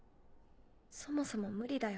そもそも無理だよ